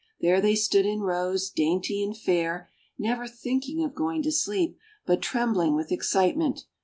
There they stood in rows, dainty and fair, never thinking of going to sleep, but trembling with excitement.